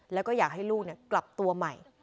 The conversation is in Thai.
แล้วก็อยากให้ลูกกลับตัวใหม่